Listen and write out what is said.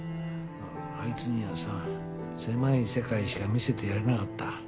あいつにはさ狭い世界しか見せてやれなかった。